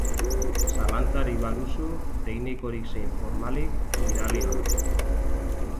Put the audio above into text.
Zalantzarik baduzu, teknikorik zein formalik, bidali hona.